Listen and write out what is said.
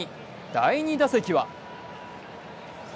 第２打席は。